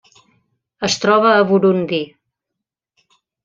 Es troba a Burundi.